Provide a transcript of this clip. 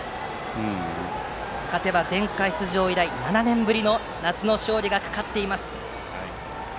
勝てば前回出場以来、７年ぶりの夏の勝利がかかっています。